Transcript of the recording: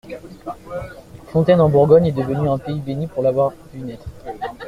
Fontaines en Bourgogne est un pays béni pour l'avoir vu naître.